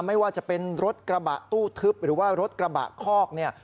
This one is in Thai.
ไม่ว่าจะเป็นรถกระบะตู้ทึบหรือว่ารถกระบะคอกเนี่ย